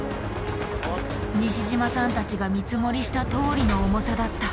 西島さんたちが見積もりしたとおりの重さだった。